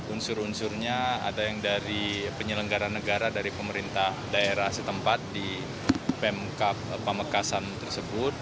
unsur unsurnya ada yang dari penyelenggara negara dari pemerintah daerah setempat di pemkap pamekasan tersebut